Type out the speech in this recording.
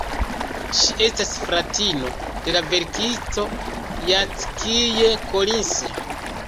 Ŝi estas fratino de la verkisto Jackie Collins.